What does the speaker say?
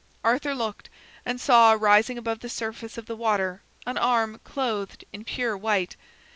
Arthur looked and saw rising above the surface of the water an arm clothed in pure white.